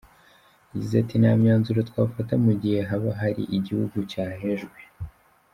Yagize ati “Nta myanzuro twafata mu gihe haba hari igihugu cyahejwe.